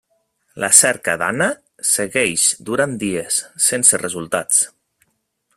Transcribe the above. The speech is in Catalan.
La cerca d'Anna segueix durant dies, sense resultats.